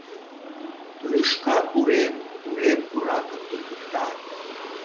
Лӱшка урем, урем пуракым тӱргыкта.